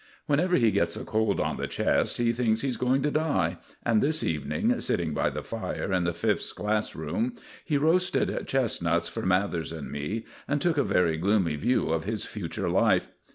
Whenever he gets a cold on the chest he thinks he is going to die, and this evening, sitting by the fire in the Fifth's class room, he roasted chestnuts for Mathers and me, and took a very gloomy view of his future life.